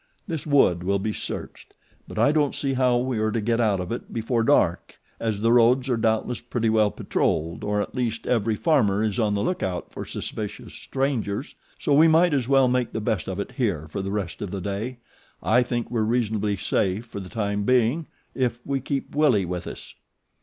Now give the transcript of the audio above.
This wood will be searched; but I don't see how we are to get out of it before dark as the roads are doubtless pretty well patrolled, or at least every farmer is on the lookout for suspicious strangers. So we might as well make the best of it here for the rest of the day. I think we're reasonably safe for the time being if we keep Willie with us."